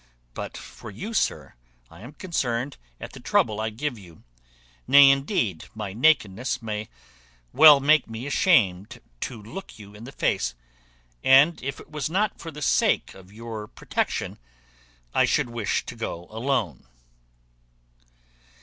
But for you, sir, I am concerned at the trouble I give you; nay, indeed, my nakedness may well make me ashamed to look you in the face; and if it was not for the sake of your protection, I should wish to go alone."